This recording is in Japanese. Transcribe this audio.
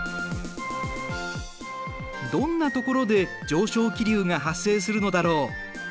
どんなところで上昇気流が発生するのだろう。